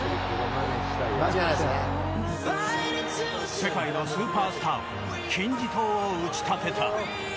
世界のスーパースターは金字塔を打ち立てた。